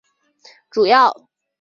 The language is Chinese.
主要从事引力理论和宇宙学研究。